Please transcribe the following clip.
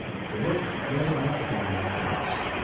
The book made Mark Twain famous.